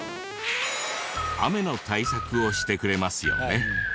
雨の対策をしてくれますよね。